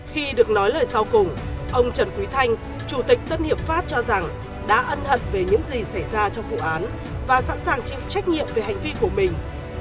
khi được nói lời sau cùng ông trần quý thanh chủ tịch tân hiệp pháp cho rằng đã ân hận về những gì xảy ra trong vụ án và sẵn sàng chịu trách nhiệm về hành vi của mình